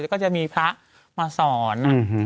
ก็จะมีพระมาสอน